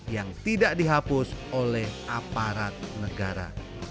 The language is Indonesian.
yang tidak dihapus oleh aparat negara